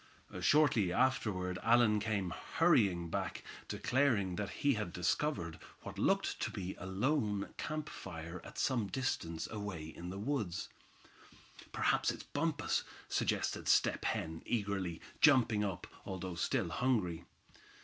Shortly afterward Allan came hurrying back, declaring that he had discovered what looked to be a lone camp fire, at some distance away in the woods. "Perhaps it's Bumpus," suggested Step Hen, eagerly, jumping up, although still hungry.